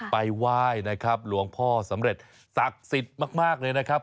ไปไหว้นะครับหลวงพ่อสำเร็จศักดิ์สิทธิ์มากเลยนะครับ